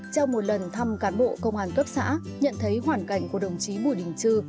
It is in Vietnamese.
trong một lần thăm cán bộ công an cấp xã nhận thấy hoàn cảnh của đồng chí bùi đình trư